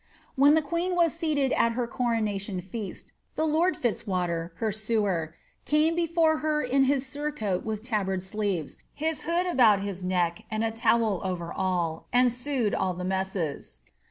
When the queen was seated at her coronation feast, the lord Fitzwa ter, her sewer, ^ came before her in his surcoat with tabard sleeves, his hood about his neck, and a towel over all, and sewed all the messes."